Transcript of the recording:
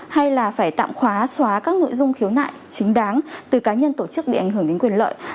hay là phải tạm khóa xóa các nội dung khiếu nại chính đáng từ cá nhân tổ chức bị ảnh hưởng đến quyền lợi